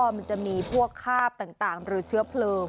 มันจะมีพวกคาบต่างหรือเชื้อเพลิง